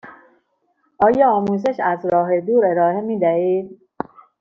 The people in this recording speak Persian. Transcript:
آیا آموزش از راه دور ارائه می دهید؟